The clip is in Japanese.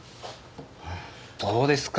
どうですか？